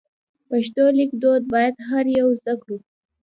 پښتو لیک دود باید هر یو زده کړو.